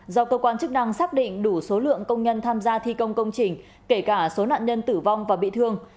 do cơ quan chức năng xác định đủ số lượng công nhân tham gia thi công công trình kể cả số nạn nhân tử vong và bị thương